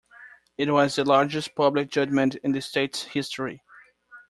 It was the largest public judgment in the state's history.